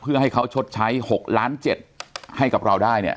เพื่อให้เขาชดใช้๖ล้าน๗ให้กับเราได้เนี่ย